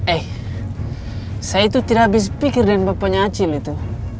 eh saya itu tidak habis pikirin bapaknya acil itu